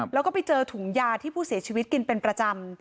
แล้วก็ไปเจอถุงยาที่ผู้เสียชีวิตกินเป็นประจำ